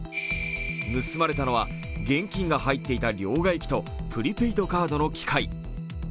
盗まれたのは現金が入っていた両替機とプリペイドカードの機械。